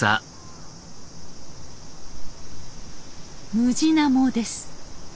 ムジナモです。